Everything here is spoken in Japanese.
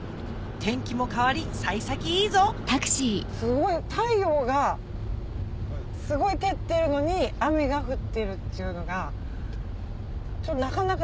天気も変わり幸先いいぞすごい太陽がすごい照ってるのに雨が降ってるっちゅうのがなかなか。